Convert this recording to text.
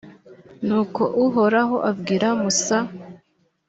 nuko uhoraho abwira musa.